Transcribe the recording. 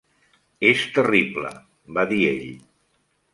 "És terrible", va dir ell.